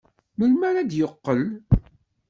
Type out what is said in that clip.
Melmi ara d-yeqqel?